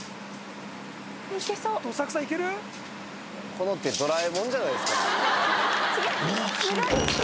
この手ドラえもんじゃないですか。